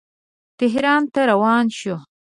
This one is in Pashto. تهران ته روان شو.